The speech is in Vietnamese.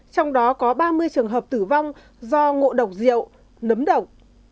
trong đó có ba mươi trường hợp tử vong do ngộ độc rượu nấm động